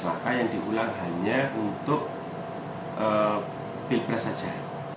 maka yang diulang hanya untuk pilpres saja